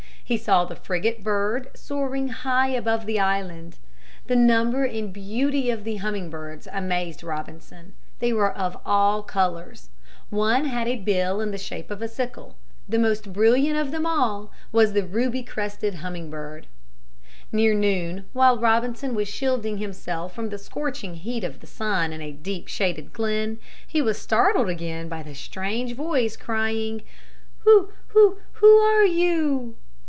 He saw the frigate bird soaring high above the island. The number and beauty of the humming birds amazed Robinson. They were of all colors. One had a bill in the shape of a sickle. The most brilliant of them all was the ruby crested humming bird. Near noon, while Robinson was shielding himself from the scorching heat of the sun in a deep, shaded glen, he was startled again by the strange voice crying, "Who, who, who are you?"